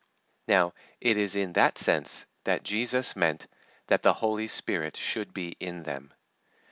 Now, it is in that sense that Jesus meant that the Holy Spirit should be in them.